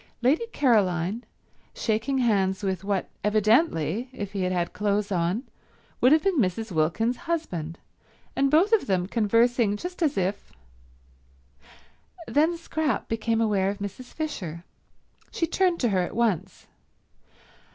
Lady Caroline shaking hands with what evidently, if he had had clothes on, would have been Mrs. Wilkins's husband, and both of them conversing just as if— Then Scrap became aware of Mrs. Fisher. She turned to her at once.